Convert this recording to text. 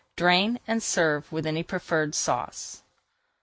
Drain, and serve with any preferred sauce.